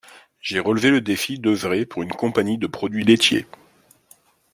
J’ai relevé le défi d’œuvrer pour une compagnie de produits laitiers.